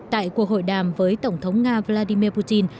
tại cuộc hội đàm với tổng thống nga vladimir putin